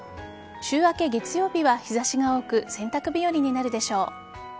週明け月曜日は日差しが多く洗濯日和になるでしょう。